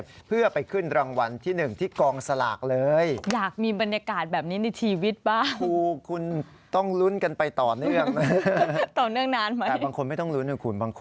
โดยเฉพาะนางสาวสาววิตรีสาวแก้วภรรยาสุธิรัก